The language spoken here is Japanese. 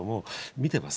見てます。